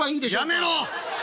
やめろ！